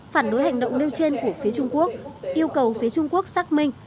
phản đối hành động nêu trên của phía trung quốc yêu cầu phía trung quốc xác minh